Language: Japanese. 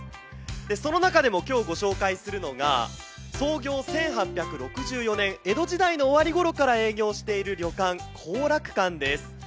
その中でも今日ご紹介するのが創業１８９４年江戸時代の終わりごろから営業している旅館、後楽館です。